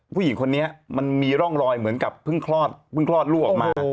ผู้หญิงคนนี้มันมีร่องรอยเหมือนกับพึ่งคลอดลูมออกมา